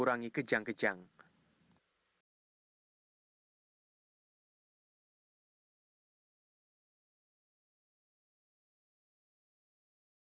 kita merasakan bad luck belum pilih mata tadi